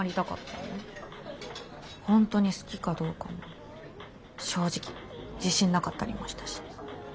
本当に好きかどうかも正直自信なかったりもしたし。